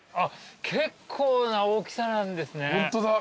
結構な大きさなんですね。